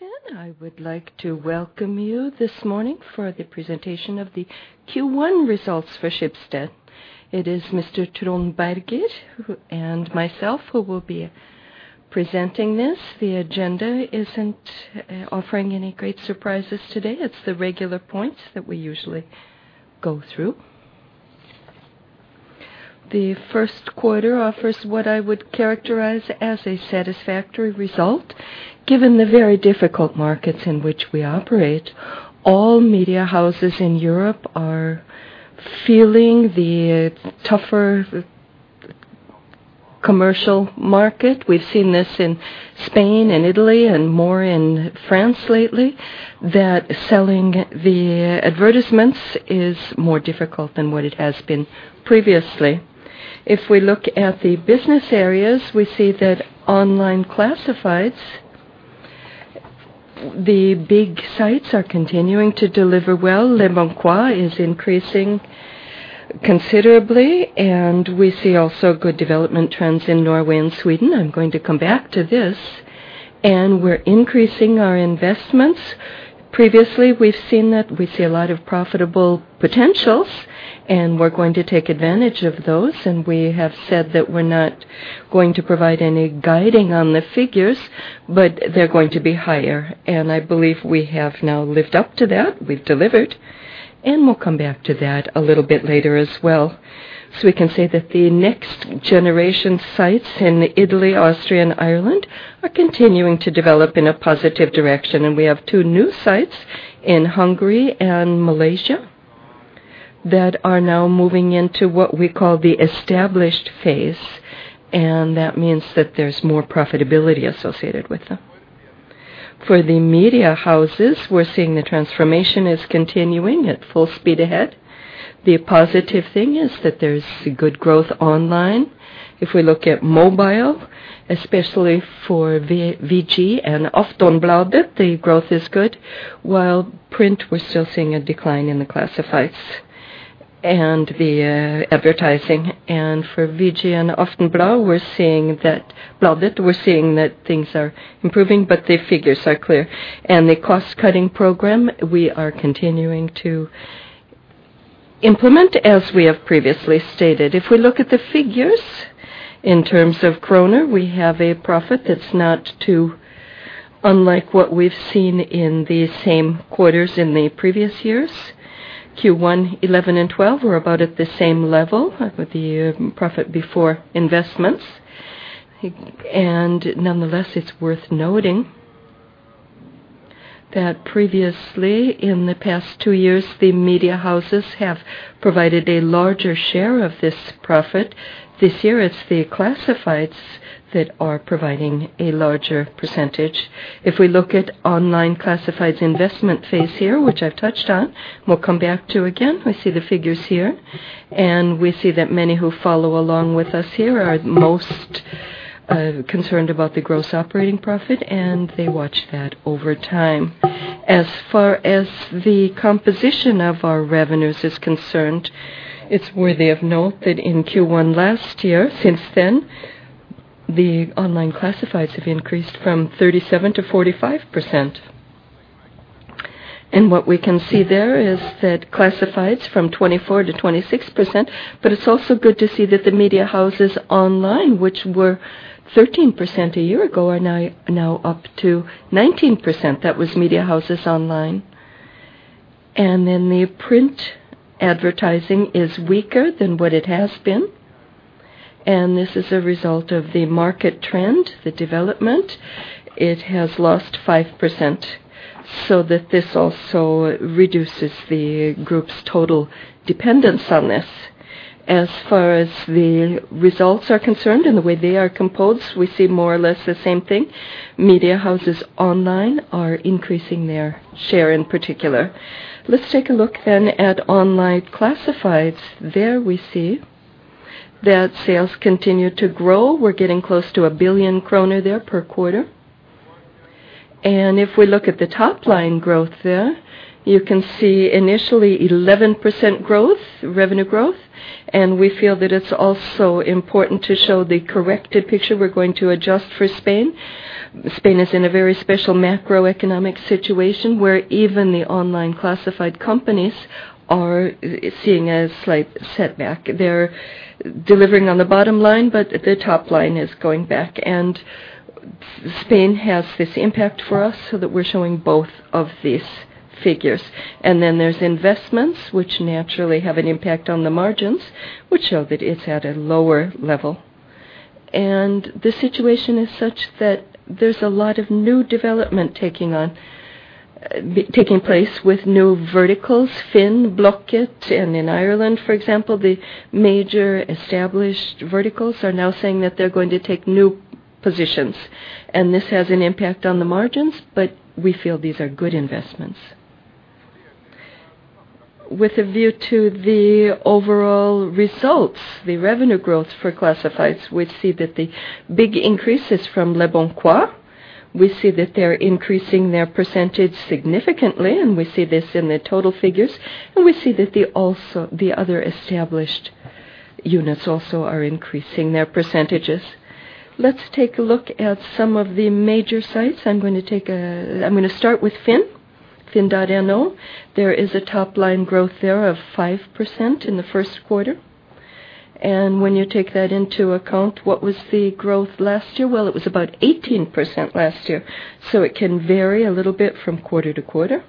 All right. I would like to welcome you this morning for the presentation of the Q1 results for Schibsted. It is Mr. Trond Berger and myself who will be presenting this. The agenda isn't offering any great surprises today. It's the regular points that we usually go through. The first quarter offers what I would characterize as a satisfactory result, given the very difficult markets in which we operate. All media houses in Europe are feeling the tougher commercial market. We've seen this in Spain and Italy and more in France lately, that selling the advertisements is more difficult than what it has been previously. We look at the business areas, we see that online classifieds, the big sites are continuing to deliver well. leboncoin is increasing considerably, and we see also good development trends in Norway and Sweden. I'm going to come back to this. We're increasing our investments. Previously, we've seen that we see a lot of profitable potentials, and we're going to take advantage of those. We have said that we're not going to provide any guiding on the figures, but they're going to be higher. I believe we have now lived up to that. We've delivered, and we'll come back to that a little bit later as well. We can say that the next generation sites in Italy, Austria, and Ireland are continuing to develop in a positive direction. We have two new sites in Hungary and Malaysia that are now moving into what we call the established phase, and that means that there's more profitability associated with them. For the media houses, we're seeing the transformation is continuing at full speed ahead. The positive thing is that there's good growth online. If we look at mobile, especially for VG and Aftonbladet, the growth is good. While print, we're still seeing a decline in the classifieds and the advertising. For VG and Aftonbladet, we're seeing that things are improving, but the figures are clear. The cost-cutting program, we are continuing to implement as we have previously stated. If we look at the figures in terms of NOK, we have a profit that's not too unlike what we've seen in the same quarters in the previous years. Q1 2011 and 2012 were about at the same level with the profit before investments. Nonetheless, it's worth noting that previously, in the past two years, the media houses have provided a larger share of this profit. This year, it's the classifieds that are providing a larger percentage. If we look at online classifieds investment phase here, which I've touched on, we'll come back to again, we see the figures here. We see that many who follow along with us here are most concerned about the gross operating profit, and they watch that over time. As far as the composition of our revenues is concerned, it's worthy of note that in Q1 last year, since then, the online classifieds have increased from 37% to 45%. What we can see there is that classifieds from 24% to 26%. It's also good to see that the media houses online, which were 13% a year ago, are now up to 19%. That was media houses online. The print advertising is weaker than what it has been. This is a result of the market trend, the development. It has lost 5%, so that this also reduces the group's total dependence on this. As far as the results are concerned and the way they are composed, we see more or less the same thing. Media houses online are increasing their share in particular. Let's take a look then at online classifieds. There we see that sales continue to grow. We're getting close to 1 billion kroner there per quarter. If we look at the top line growth there, you can see initially 11% growth, revenue growth. We feel that it's also important to show the corrected picture we're going to adjust for Spain. Spain is in a very special macroeconomic situation where even the online classified companies are seeing a slight setback. They're delivering on the bottom line, but the top line is going back. Spain has this impact for us so that we're showing both of these figures. Then there's investments which naturally have an impact on the margins, which show that it's at a lower level. The situation is such that there's a lot of new development taking place with new verticals. FINN, Blocket, and in Ireland, for example, the major established verticals are now saying that they're going to take new positions. This has an impact on the margins, but we feel these are good investments. With a view to the overall results, the revenue growth for classifieds, we see that the big increase is from Leboncoin. We see that they're increasing their percentage significantly, and we see this in the total figures, and we see that the other established units also are increasing their percentages. Let's take a look at some of the major sites. I'm gonna start with FINN.no. There is a top-line growth there of 5% in the first quarter. When you take that into account, what was the growth last year? Well, it was about 18% last year. It can vary a little bit from quarter to quarter.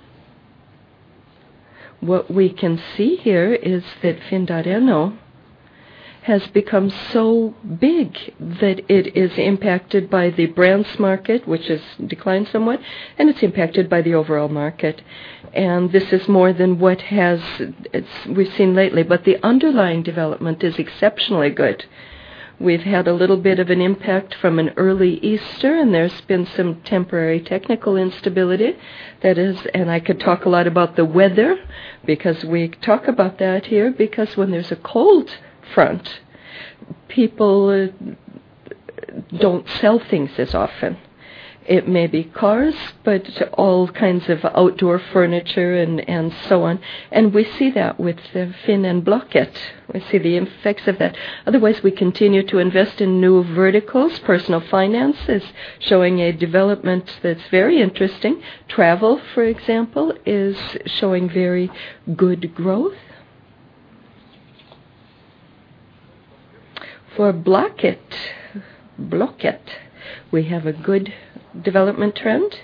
What we can see here is that FINN.no has become so big that it is impacted by the brands market, which has declined somewhat, and it's impacted by the overall market. This is more than what has, we've seen lately, but the underlying development is exceptionally good. We've had a little bit of an impact from an early Easter, and there's been some temporary technical instability. That is, I could talk a lot about the weather because we talk about that here, because when there's a cold front, people don't sell things as often. It may be cars, all kinds of outdoor furniture and so on. We see that with the FINN and Blocket. We see the effects of that. Otherwise, we continue to invest in new verticals. Personal finance is showing a development that's very interesting. Travel, for example, is showing very good growth. For Blocket, we have a good development trend.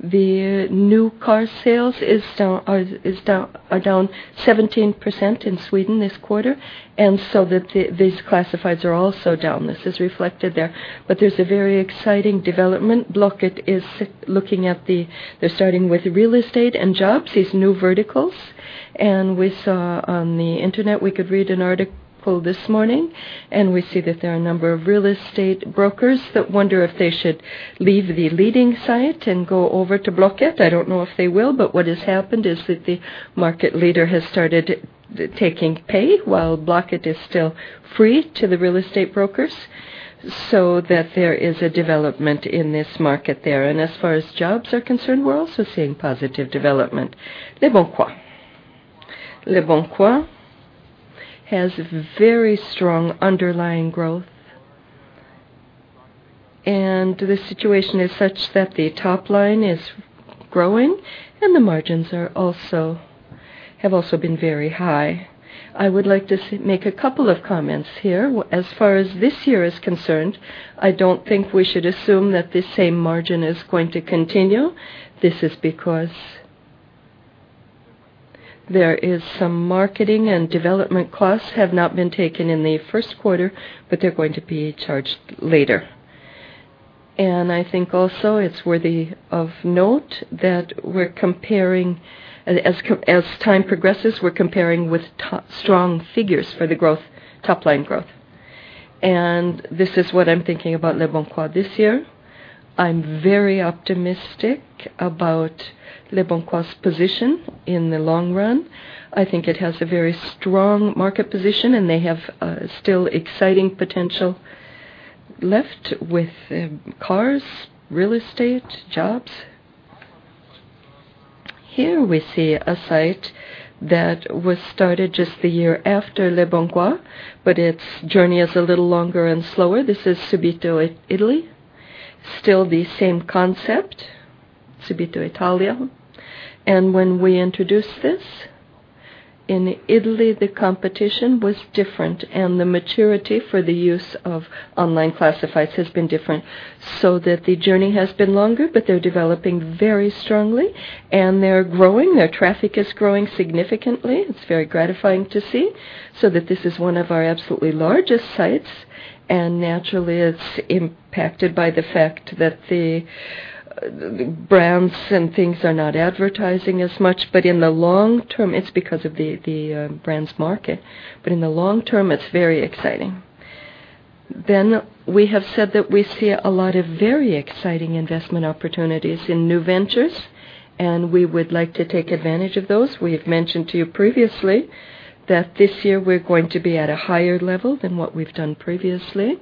The new car sales are down 17% in Sweden this quarter. These classifieds are also down. This is reflected there. There's a very exciting development. Blocket is looking at. They're starting with real estate and jobs, these new verticals. We saw on the internet, we could read an article this morning, we see that there are a number of real estate brokers that wonder if they should leave the leading site and go over to Blocket. I don't know if they will, but what has happened is that the market leader has started taking pay while Blocket is still free to the real estate brokers, so that there is a development in this market there. As far as jobs are concerned, we're also seeing positive development. Leboncoin has very strong underlying growth. The situation is such that the top line is growing and the margins have also been very high. I would like to make a couple of comments here. As far as this year is concerned, I don't think we should assume that this same margin is going to continue. This is because there is some marketing and development costs have not been taken in the first quarter, but they're going to be charged later. I think also it's worthy of note that we're comparing. As time progresses, we're comparing with strong figures for the growth, top line growth. This is what I'm thinking about Leboncoin this year. I'm very optimistic about Leboncoin's position in the long run. I think it has a very strong market position, and they have still exciting potential left with cars, real estate, jobs. Here we see a site that was started just the year after Leboncoin, but its journey is a little longer and slower. This is Subito, Italy. Still the same concept, Subito Italia. When we introduced this in Italy, the competition was different and the maturity for the use of online classifieds has been different so that the journey has been longer, but they're developing very strongly and they're growing. Their traffic is growing significantly. It's very gratifying to see so that this is one of our absolutely largest sites, and naturally, it's impacted by the fact that the brands and things are not advertising as much. In the long term, it's because of the brands market. In the long term, it's very exciting. We have said that we see a lot of very exciting investment opportunities in new ventures, and we would like to take advantage of those. We've mentioned to you previously that this year we're going to be at a higher level than what we've done previously.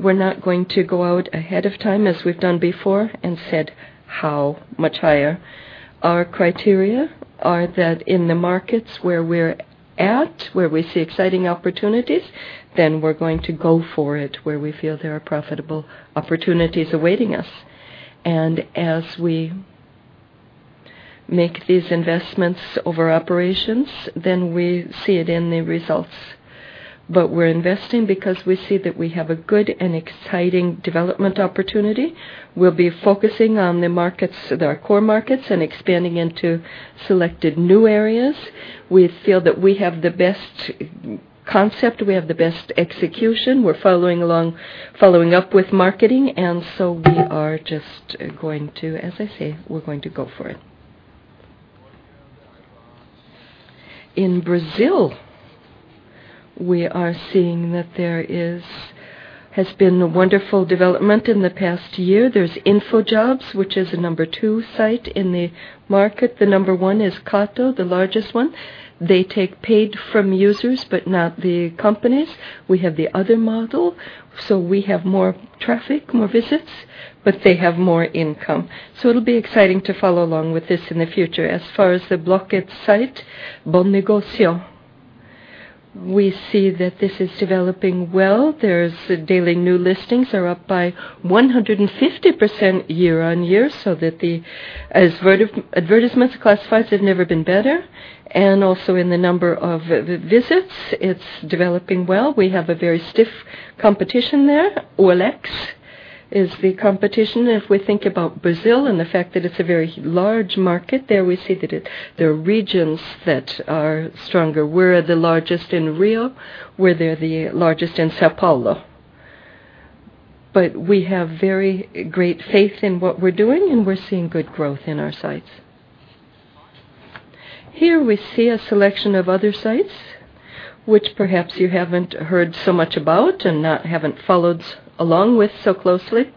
We're not going to go out ahead of time as we've done before and said how much higher. Our criteria are that in the markets where we're at, where we see exciting opportunities, then we're going to go for it where we feel there are profitable opportunities awaiting us. As we make these investments over operations, then we see it in the results. We're investing because we see that we have a good and exciting development opportunity. We'll be focusing on the markets that are core markets and expanding into selected new areas. We feel that we have the best concept. We have the best execution. We're following up with marketing, we are just going to, as I say, we're going to go for it. In Brazil, we are seeing that there has been a wonderful development in the past year. There's InfoJobs, which is a number two site in the market. The number one is Catho, the largest one. They take paid from users, not the companies. We have the other model, we have more traffic, more visits. They have more income. It'll be exciting to follow along with this in the future. As far as the Blocket site, Bom Negócio. We see that this is developing well. There's daily new listings are up by 150% year-on-year, the advertisements classifieds have never been better, and also in the number of visits, it's developing well. We have a very stiff competition there. OLX is the competition. If we think about Brazil and the fact that it's a very large market, there we see that there are regions that are stronger. We're the largest in Rio, where they're the largest in São Paulo. We have very great faith in what we're doing, and we're seeing good growth in our sites. Here we see a selection of other sites which perhaps you haven't heard so much about and haven't followed along with so closely.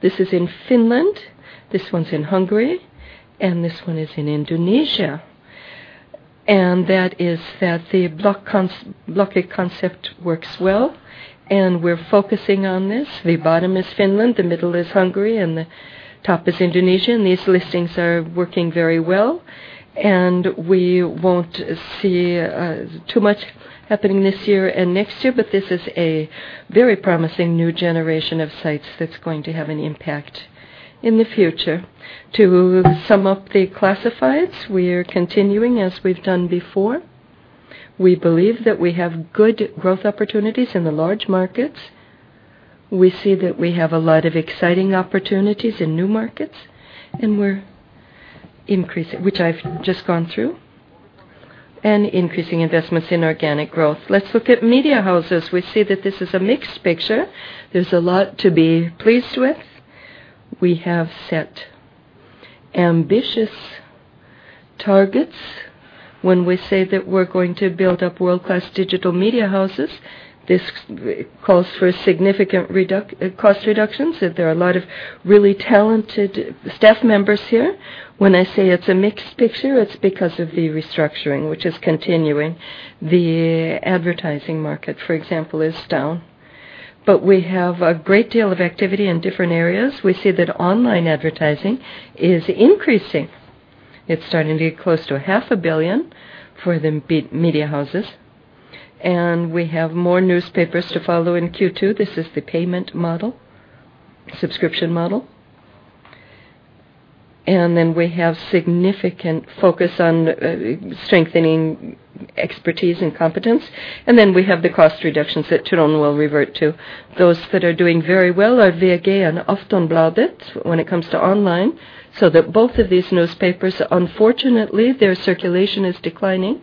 This is in Finland, this one's in Hungary, and this one is in Indonesia. That is that the Blocket concept works well, and we're focusing on this. The bottom is Finland, the middle is Hungary, and the top is Indonesia. These listings are working very well. We won't see too much happening this year and next year, but this is a very promising new generation of sites that's going to have an impact in the future. To sum up the classifieds, we are continuing as we've done before. We believe that we have good growth opportunities in the large markets. We see that we have a lot of exciting opportunities in new markets, and we're increasing, which I've just gone through, and increasing investments in organic growth. Let's look at media houses. We see that this is a mixed picture. There's a lot to be pleased with. We have set ambitious targets when we say that we're going to build up world-class digital media houses. This calls for significant cost reductions, that there are a lot of really talented staff members here. When I say it's a mixed picture, it's because of the restructuring, which is continuing. The advertising market, for example, is down. We have a great deal of activity in different areas. We see that online advertising is increasing. It's starting to get close to 0.5 Billion for the media houses, and we have more newspapers to follow in Q2. This is the payment model, subscription model. We have significant focus on strengthening expertise and competence. We have the cost reductions that Torun will revert to. Those that are doing very well are VG and Aftonbladet when it comes to online, so that both of these newspapers, unfortunately, their circulation is declining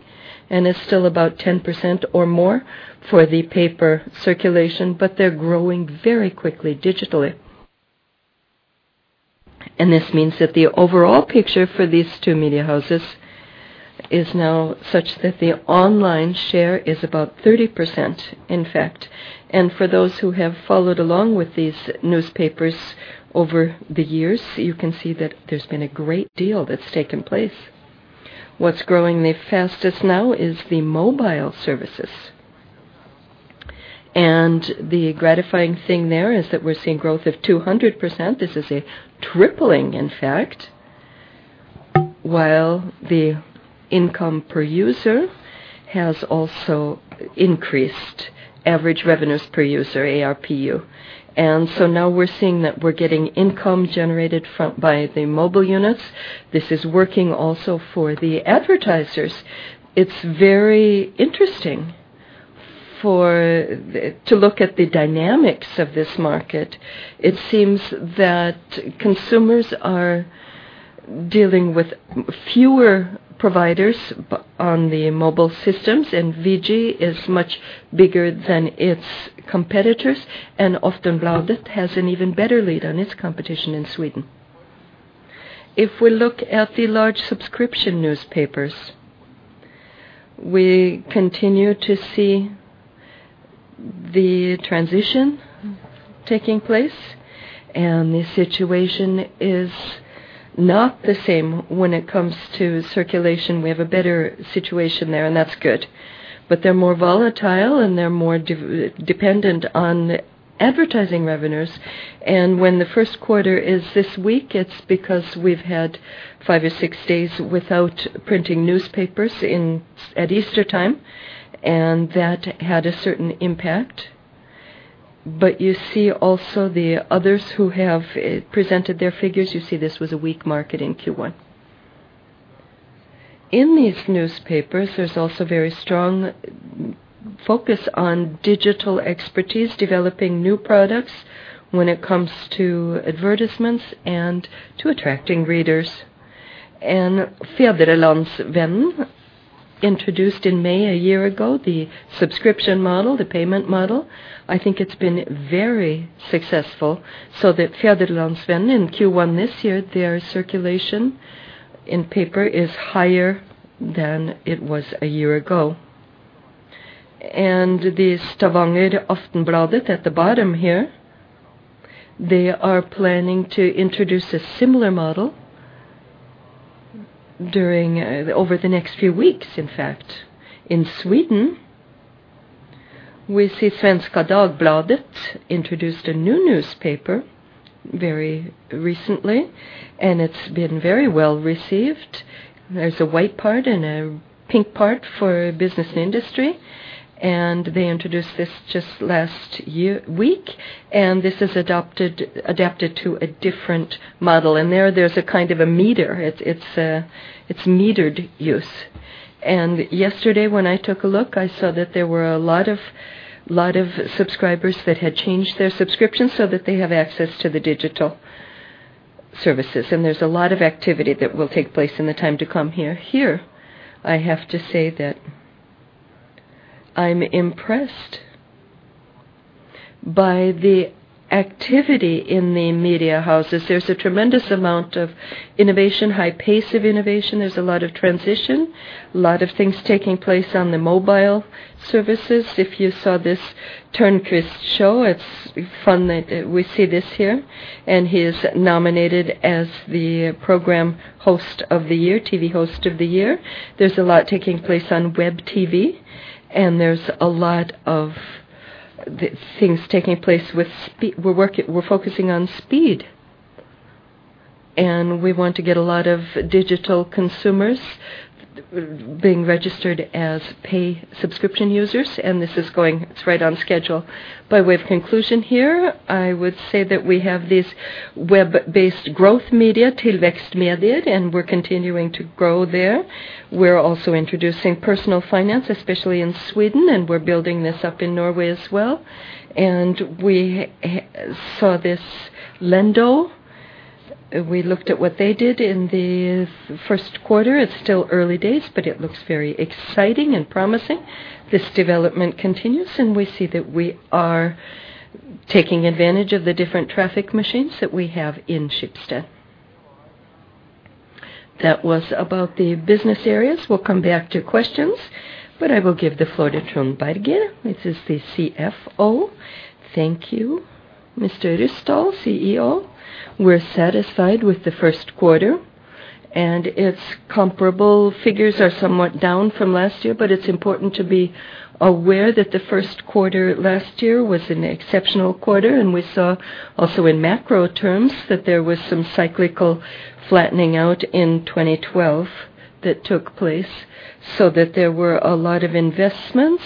and is still about 10% or more for the paper circulation, but they're growing very quickly digitally. This means that the overall picture for these two media houses is now such that the online share is about 30%, in fact. For those who have followed along with these newspapers over the years, you can see that there's been a great deal that's taken place. The gratifying thing there is that we're seeing growth of 200%. This is a tripling, in fact, while the income per user has also increased average revenues per user, ARPU. Now we're seeing that we're getting income generated by the mobile units. This is working also for the advertisers. It's very interesting to look at the dynamics of this market. It seems that consumers are dealing with fewer providers on the mobile systems, and VG is much bigger than its competitors, and Aftonbladet has an even better lead on its competition in Sweden. If we look at the large subscription newspapers, we continue to see the transition taking place, and the situation is not the same when it comes to circulation. We have a better situation there, and that's good. They're more volatile, and they're more de-dependent on advertising revenues. When the first quarter is this week, it's because we've had five or six days without printing newspapers at Easter time, and that had a certain impact. You see also the others who have presented their figures, you see this was a weak market in Q1. In these newspapers, there's also very strong focus on digital expertise, developing new products when it comes to advertisements and to attracting readers. Fædrelandsvennen introduced in May a year ago, the subscription model, the payment model. I think it's been very successful, so that Fædrelandsvennen in Q1 this year, their circulation in paper is higher than it was a year ago. The Stavanger Aftonbladet at the bottom here, they are planning to introduce a similar model. During the next few weeks, in fact. In Sweden, we see Svenska Dagbladet introduced a new newspaper very recently, and it's been very well received. There's a white part and a pink part for business and industry, and they introduced this just last week, and this is adapted to a different model. There, there's a kind of a meter. It's metered use. Yesterday, when I took a look, I saw that there were a lot of subscribers that had changed their subscription so that they have access to the digital services. There's a lot of activity that will take place in the time to come here. Here, I have to say that I'm impressed by the activity in the media houses. There's a tremendous amount of innovation, high pace of innovation. There's a lot of transition, a lot of things taking place on the mobile services. If you saw this Törnqvist show, it's fun that we see this here, and he is nominated as the program host of the year, TV host of the year. There's a lot taking place on web TV, and there's a lot of things taking place with we're focusing on speed, and we want to get a lot of digital consumers being registered as pay subscription users, and it's right on schedule. By way of conclusion here, I would say that we have this web-based growth media, Tillväxtmedier, and we're continuing to grow there. We're also introducing personal finance, especially in Sweden, and we're building this up in Norway as well. We saw this Lendo. We looked at what they did in the first quarter. It's still early days, but it looks very exciting and promising. This development continues, and we see that we are taking advantage of the different traffic machines that we have in Schibsted. That was about the business areas. We'll come back to questions. I will give the floor to Trond Berger, CFO. Thank you, Mr. Ryssdal, CEO. We're satisfied with the first quarter. Its comparable figures are somewhat down from last year, but it's important to be aware that the first quarter last year was an exceptional quarter. We saw also in macro terms that there was some cyclical flattening out in 2012 that took place so that there were a lot of investments.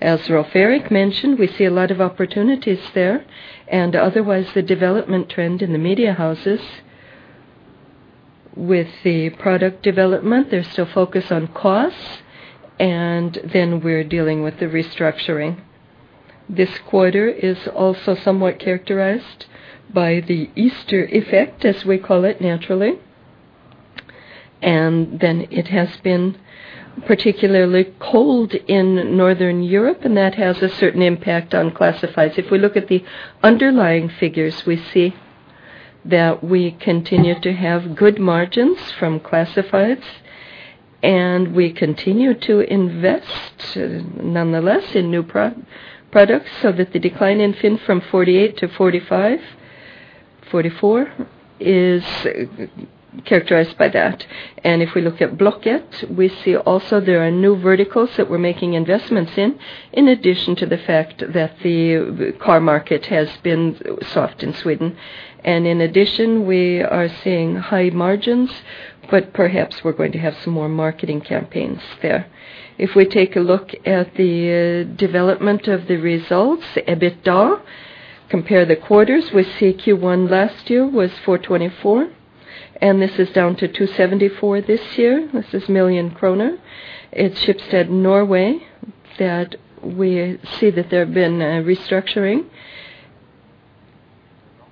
As Rolv Erik mentioned, we see a lot of opportunities there. Otherwise, the development trend in the media houses with the product development, there's still focus on costs. Then we're dealing with the restructuring. This quarter is also somewhat characterized by the Easter effect, as we call it, naturally. Then it has been particularly cold in Northern Europe, and that has a certain impact on classifieds. If we look at the underlying figures, we see that we continue to have good margins from classifieds, and we continue to invest nonetheless in new pro-products so that the decline in FINN from 48 to 45, 44 is characterized by that. If we look at Blocket, we see also there are new verticals that we're making investments in addition to the fact that the car market has been soft in Sweden. In addition, we are seeing high margins, but perhaps we're going to have some more marketing campaigns there. If we take a look at the development of the results, EBITDA, compare the quarters, we see Q1 last year was 424 million, and this is down to 274 million this year. This is million NOK. It's Schibsted Norway that we see that there have been a restructuring.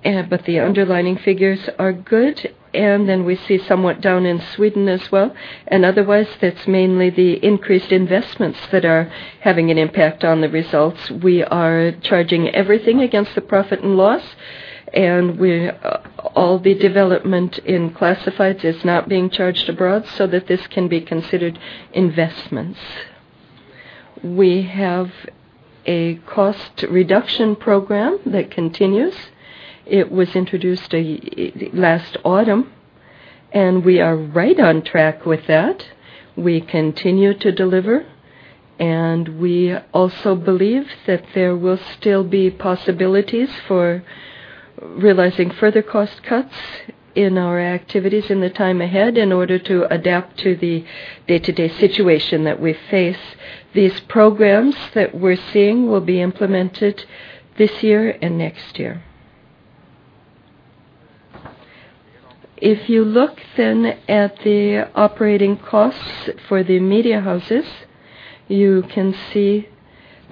The underlying figures are good. We see somewhat down in Sweden as well. Otherwise, that's mainly the increased investments that are having an impact on the results. We are charging everything against the profit and loss. All the development in classifieds is not being charged abroad so that this can be considered investments. We have a cost reduction program that continues. It was introduced last autumn. We are right on track with that. We continue to deliver. We also believe that there will still be possibilities for realizing further cost cuts in our activities in the time ahead in order to adapt to the day-to-day situation that we face. These programs that we're seeing will be implemented this year and next year. You look at the operating costs for the media houses, you can see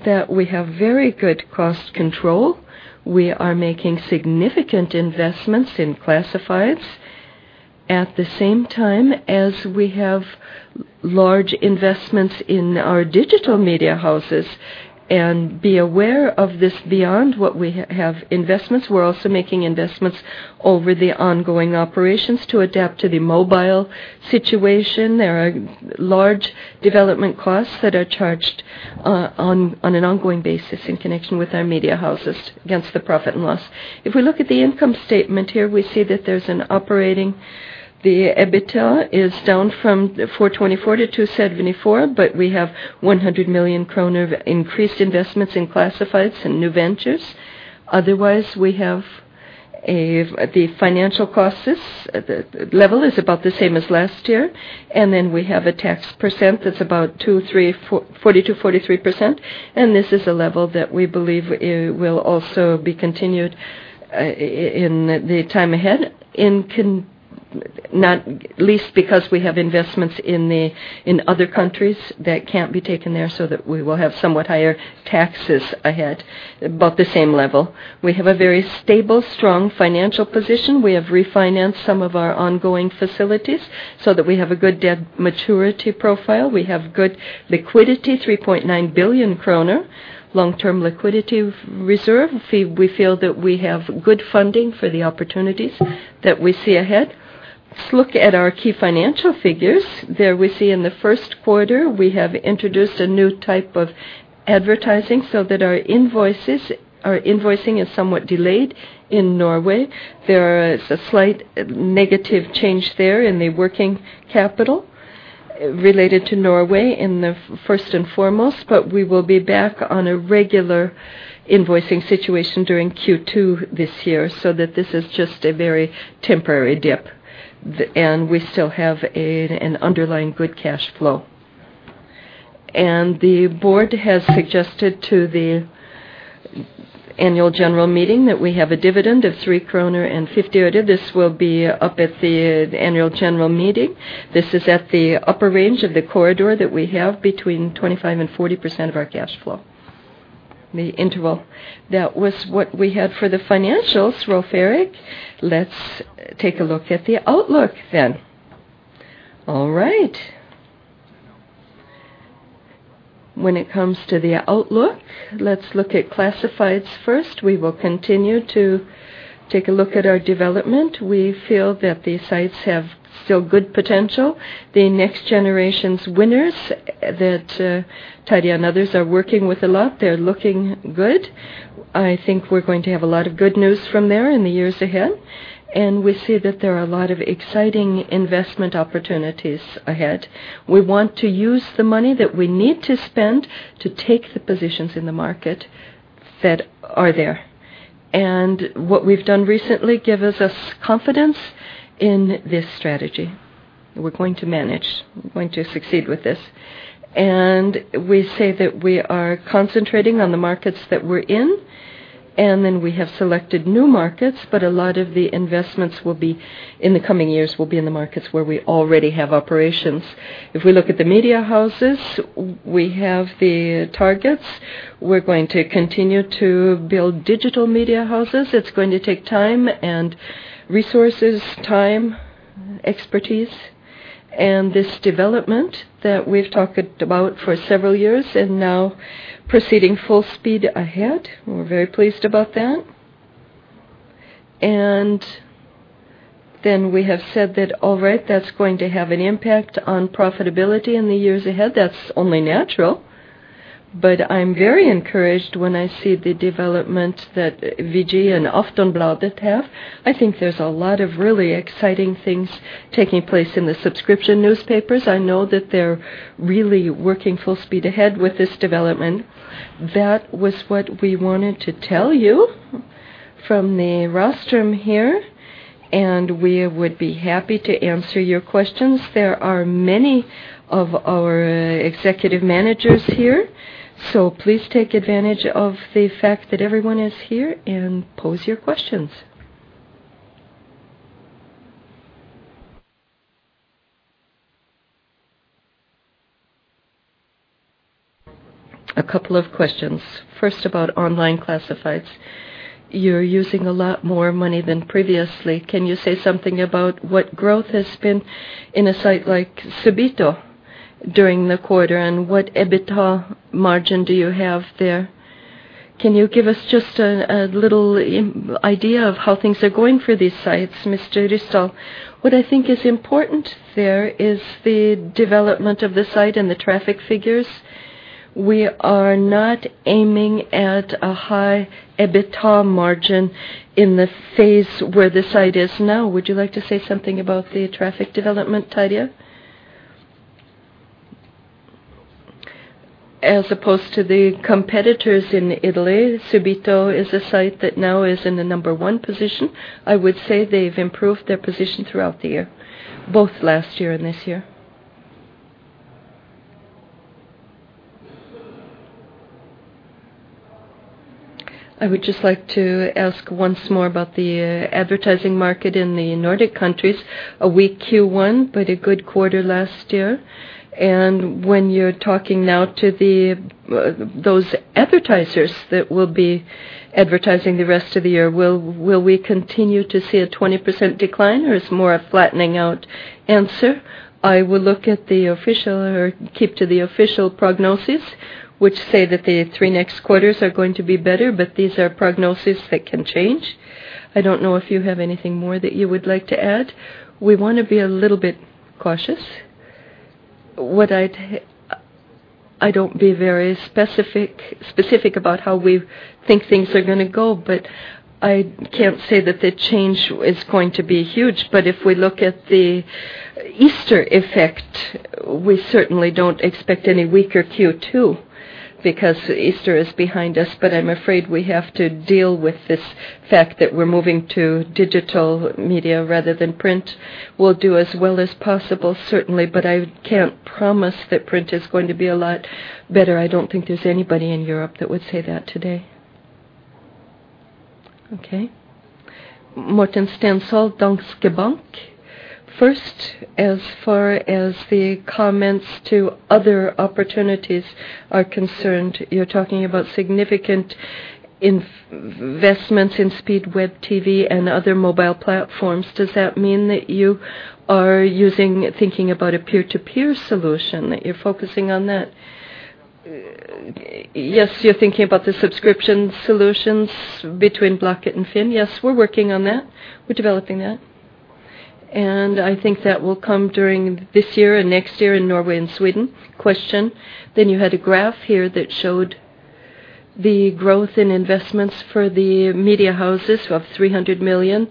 that we have very good cost control. We are making significant investments in classifieds at the same time as we have large investments in our digital media houses. Be aware of this beyond what we have investments, we're also making investments over the ongoing operations to adapt to the mobile situation. There are large development costs that are charged on an ongoing basis in connection with our media houses against the profit and loss. We look at the income statement here, we see that there's an operating EBITDA is down from 424 million to 274 million. We have 100 million kroner of increased investments in classifieds and new ventures. Otherwise, the financial costs, the level is about the same as last year, we have a tax percent that's about 40%-43%. This is a level that we believe it will also be continued in the time ahead, at least because we have investments in other countries that can't be taken there so that we will have somewhat higher taxes ahead, about the same level. We have a very stable, strong financial position. We have refinanced some of our ongoing facilities so that we have a good debt maturity profile. We have good liquidity, 3.9 billion kroner long-term liquidity reserve. We feel that we have good funding for the opportunities that we see ahead. Let's look at our key financial figures. There we see in the first quarter, we have introduced a new type of advertising so that our invoicing is somewhat delayed in Norway. There is a slight negative change there in the working capital related to Norway in the first and foremost. We will be back on a regular invoicing situation during Q2 this year. This is just a very temporary dip. We still have a, an underlying good cash flow. The board has suggested to the annual general meeting that we have a dividend of 3.50 kroner. This will be up at the annual general meeting. This is at the upper range of the corridor that we have between 25% and 40% of our cash flow, the interval. That was what we had for the financials, Rolv Erik. Let's take a look at the outlook then. All right. When it comes to the outlook, let's look at classifieds first. We will continue to take a look at our development. We feel that the sites have still good potential. The next generation's winners that Tidja and others are working with a lot, they're looking good. I think we're going to have a lot of good news from there in the years ahead. We see that there are a lot of exciting investment opportunities ahead. We want to use the money that we need to spend to take the positions in the market that are there. What we've done recently gives us confidence in this strategy. We're going to manage, we're going to succeed with this. We say that we are concentrating on the markets that we're in, and then we have selected new markets, but a lot of the investments in the coming years, will be in the markets where we already have operations. If we look at the media houses, we have the targets. We're going to continue to build digital media houses. It's going to take time and resources, time, expertise. This development that we've talked about for several years and now proceeding full speed ahead, we're very pleased about that. Then we have said that, all right, that's going to have an impact on profitability in the years ahead. That's only natural. I'm very encouraged when I see the developments that VG and Aftonbladet have. I think there's a lot of really exciting things taking place in the subscription newspapers. I know that they're really working full speed ahead with this development. That was what we wanted to tell you from the rostrum here, and we would be happy to answer your questions. There are many of our executive managers here, so please take advantage of the fact that everyone is here and pose your questions. A couple of questions. First, about online classifieds. You're using a lot more money than previously. Can you say something about what growth has been in a site like Subito during the quarter, and what EBITDA margin do you have there? Can you give us just a little idea of how things are going for these sites, Mr. Ryssdal? What I think is important there is the development of the site and the traffic figures. We are not aiming at a high EBITDA margin in the phase where the site is now. Would you like to say something about the traffic development, Tidja? As opposed to the competitors in Italy, Subito is a site that now is in the number one position. I would say they've improved their position throughout the year, both last year and this year. I would just like to ask once more about the advertising market in the Nordic countries. A weak Q1, but a good quarter last year. When you're talking now to those advertisers that will be advertising the rest of the year, will we continue to see a 20% decline, or it's more a flattening out answer? I will look at the official or keep to the official prognosis, which say that the three next quarters are going to be better, but these are prognosis that can change. I don't know if you have anything more that you would like to add. We want to be a little bit cautious. What I don't be very specific about how we think things are gonna go, but I can't say that the change is going to be huge. If we look at the Easter effect, we certainly don't expect any weaker Q2, because Easter is behind us. I'm afraid we have to deal with this fact that we're moving to digital media rather than print. We'll do as well as possible, certainly, but I can't promise that print is going to be a lot better. I don't think there's anybody in Europe that would say that today. Okay. Morten Stenshol, Danske Bank. First, as far as the comments to other opportunities are concerned, you're talking about significant investments in speed web TV and other mobile platforms. Does that mean that you are thinking about a peer-to-peer solution, that you're focusing on that? Yes, you're thinking about the subscription solutions between Blocket and FINN. Yes, we're working on that. We're developing that. I think that will come during this year and next year in Norway and Sweden. Question, you had a graph here that showed the growth in investments for the media houses of 300 million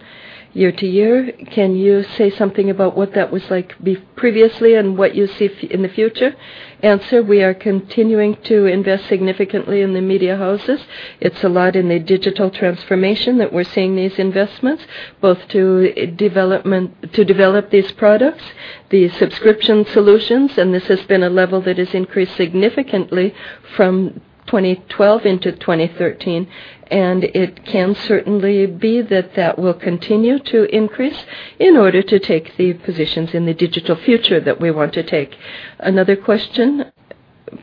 year-over-year. Can you say something about what that was like previously and what you see in the future? Answer, we are continuing to invest significantly in the media houses. It's a lot in the digital transformation that we're seeing these investments, both to develop these products, the subscription solutions. This has been a level that has increased significantly from 2012 into 2013. It can certainly be that that will continue to increase in order to take the positions in the digital future that we want to take. Another question,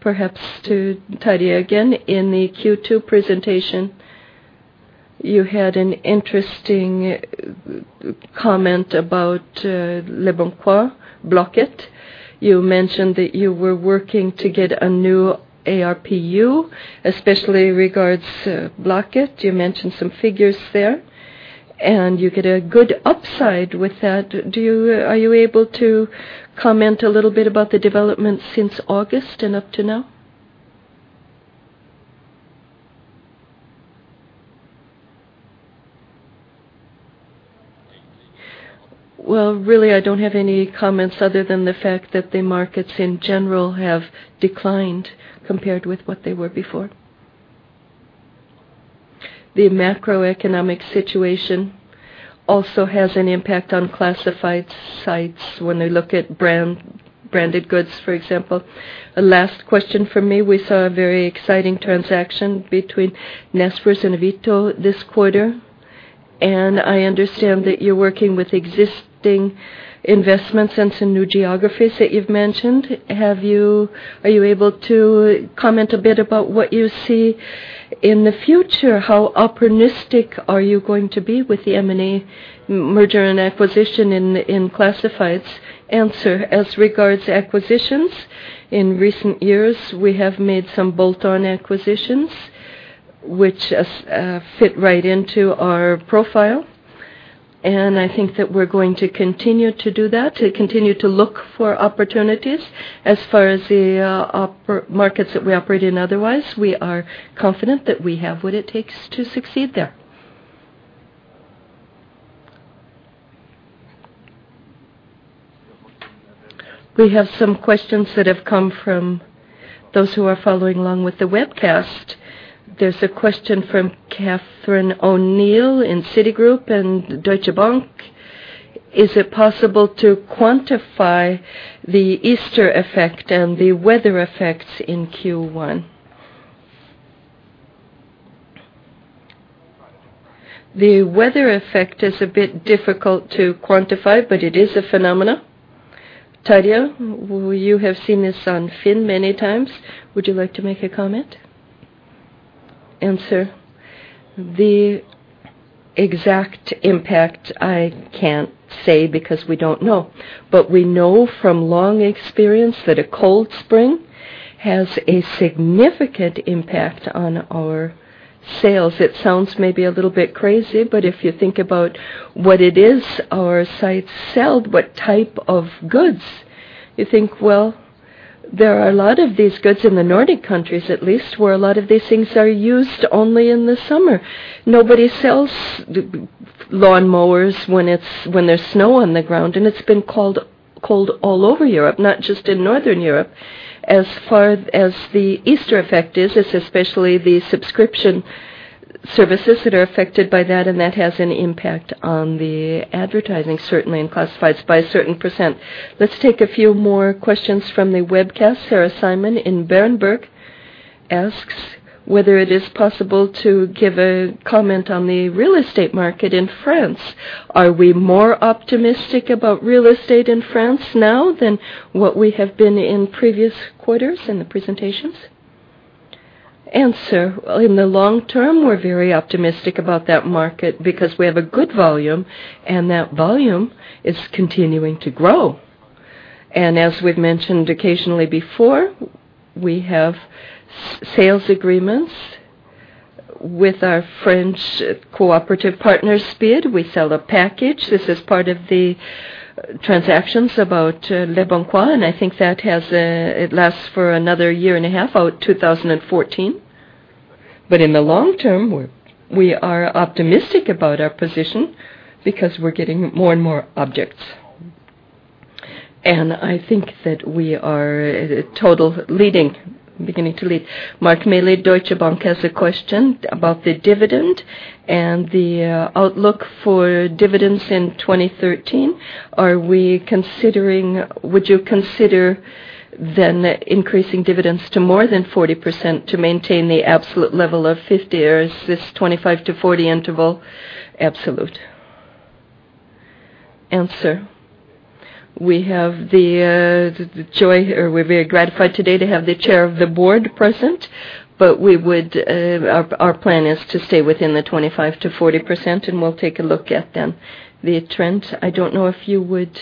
perhaps to Tidja again. In the Q2 presentation, you had an interesting comment about Leboncoin, Blocket. You mentioned that you were working to get a new ARPU, especially regards Blocket. You mentioned some figures there, and you get a good upside with that. Do you, are you able to comment a little bit about the development since August and up to now? Well, really, I don't have any comments other than the fact that the markets in general have declined compared with what they were before. The macroeconomic situation also has an impact on classifieds sites when they look at brand, branded goods, for example. A last question from me. We saw a very exciting transaction between Naspers and Avito this quarter. I understand that you're working with existing investments and some new geographies that you've mentioned. Are you able to comment a bit about what you see in the future? How opportunistic are you going to be with the M&A, merger and acquisition in classifieds? Answer. As regards acquisitions, in recent years, we have made some bolt-on acquisitions which fit right into our profile. I think that we're going to continue to do that, to continue to look for opportunities. As far as the markets that we operate in, otherwise, we are confident that we have what it takes to succeed there. We have some questions that have come from those who are following along with the webcast. There's a question from Catherine O'Neill in Citigroup and Deutsche Bank. Is it possible to quantify the Easter effect and the weather effects in Q1? The weather effect is a bit difficult to quantify, but it is a phenomena. Tidja, you have seen this on FINN many times. Would you like to make a comment? The exact impact, I can't say because we don't know. We know from long experience that a cold spring has a significant impact on our sales. It sounds maybe a little bit crazy, but if you think about what it is our site sell, what type of goods, you think, well, there are a lot of these goods in the Nordic countries, at least, where a lot of these things are used only in the summer. Nobody sells lawnmowers when there's snow on the ground, and it's been cold all over Europe, not just in Northern Europe. As far as the Easter effect is, it's especially the subscription services that are affected by that. That has an impact on the advertising, certainly in classifieds by a certain percent. Let's take a few more questions from the webcast. Sarah Simon in Berenberg asks whether it is possible to give a comment on the real estate market in France. Are we more optimistic about real estate in France now than what we have been in previous quarters in the presentations? Answer. In the long term, we're very optimistic about that market because we have a good volume. That volume is continuing to grow. As we've mentioned occasionally before, we have sales agreements with our French cooperative partner, SPIR, we sell a package. This is part of the transactions about Leboncoin. I think that it lasts for another year and a half, out 2014. In the long term, we are optimistic about our position because we're getting more and more objects. I think that we are total leading, beginning to lead. Mike Melly, Deutsche Bank, has a question about the dividend and the outlook for dividends in 2013. Would you consider then increasing dividends to more than 40% to maintain the absolute level of 50%, or is this 25%-40% interval absolute? Answer: We have the joy or we're very gratified today to have the chair of the board present. We would, our plan is to stay within the 25%-40%, and we'll take a look at them. The trend, I don't know if you would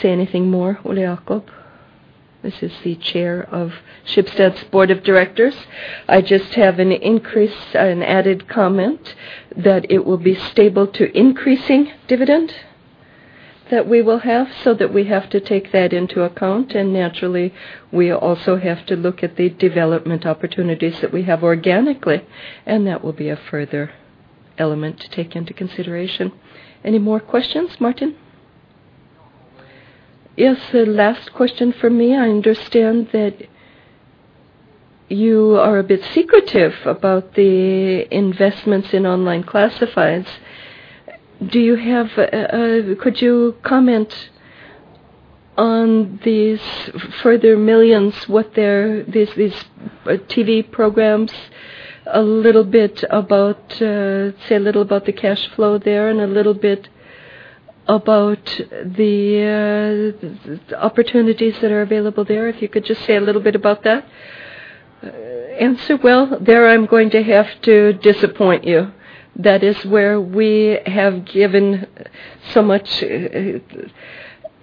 say anything more, Ole Jacob. This is the chair of Schibsted's board of directors. I just have an added comment that it will be stable to increasing dividend that we will have so that we have to take that into account. Naturally, we also have to look at the development opportunities that we have organically, and that will be a further element to take into consideration. Any more questions, Martin? Yes, the last question from me. I understand that you are a bit secretive about the investments in online classifieds. Do you have, could you comment on these further millions, what their, these TV programs, a little bit about, say a little about the cash flow there and a little bit about the opportunities that are available there? If you could just say a little bit about that. Well, there I'm going to have to disappoint you. That is where we have given so much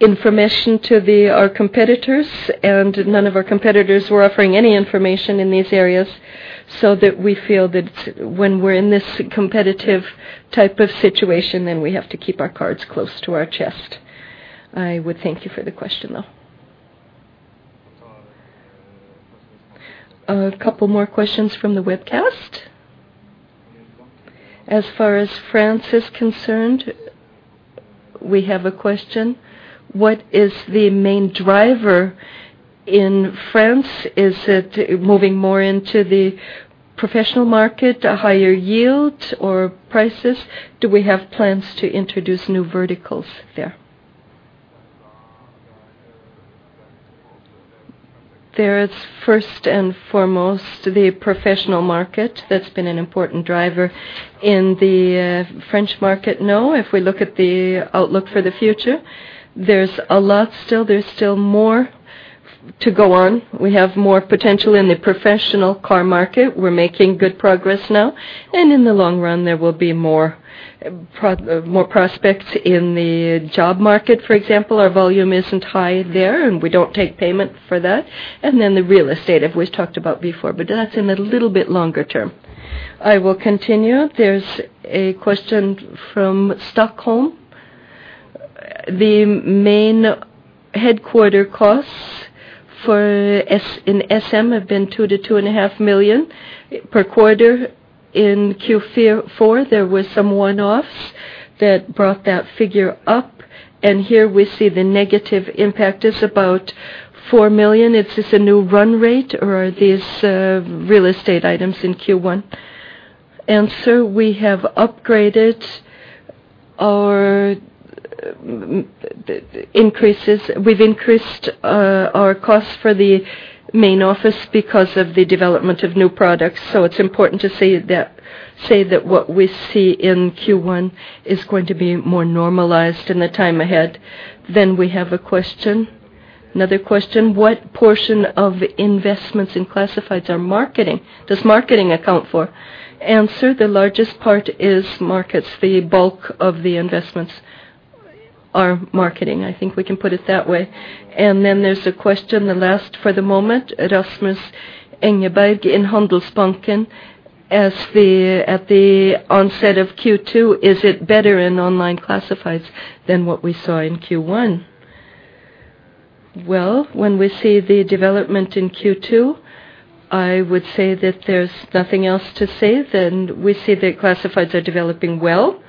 information to our competitors. None of our competitors were offering any information in these areas, so that we feel that when we're in this competitive type of situation, then we have to keep our cards close to our chest. I would thank you for the question, though. A couple more questions from the webcast. As far as France is concerned, we have a question. What is the main driver in France? Is it moving more into the professional market, a higher yield or prices? Do we have plans to introduce new verticals there? There is first and foremost the professional market that's been an important driver in the French market. If we look at the outlook for the future, there's a lot still. There's still more to go on. We have more potential in the professional car market. We're making good progress now. In the long run, there will be more prospects in the job market, for example. Our volume isn't high there, and we don't take payment for that. Then the real estate I've always talked about before, but that's in a little bit longer term. I will continue. There's a question from Stockholm. The main headquarter costs for SM have been 2 million-2.5 million per quarter. In Q4, there was some one-offs that brought that figure up. Here we see the negative impact is about 4 million. Is this a new run rate, or are these real estate items in Q1? Answer: We have upgraded our increases. We've increased our costs for the main office because of the development of new products. It's important to say that what we see in Q1 is going to be more normalized in the time ahead. We have a question, another question, what portion of investments in classifieds are marketing? Does marketing account for? Answer: The largest part is markets. The bulk of the investments are marketing. I think we can put it that way. There's a question, the last for the moment, Rasmus Engberg in Handelsbanken. At the onset of Q2, is it better in online classifieds than what we saw in Q1? Well, when we see the development in Q2, I would say that there's nothing else to say than we see the classifieds are developing well,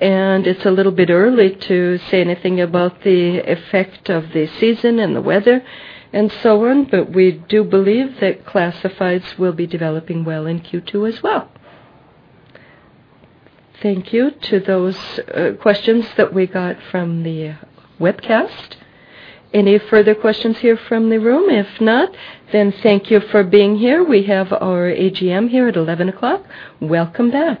and it's a little bit early to say anything about the effect of the season and the weather and so on. We do believe that classifieds will be developing well in Q2 as well. Thank you to those questions that we got from the webcast. Any further questions here from the room? If not, thank you for being here. We have our AGM here at 11:00 A.M. Welcome back.